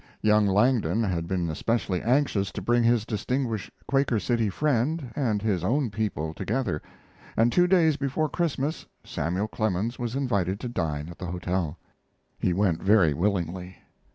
Young Langdon had been especially anxious to bring his distinguished Quaker City friend and his own people together, and two days before Christmas Samuel Clemens was invited to dine at the hotel. He went very willingly.